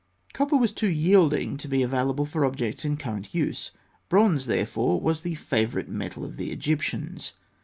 Copper was too yielding to be available for objects in current use; bronze, therefore, was the favourite metal of the Egyptians.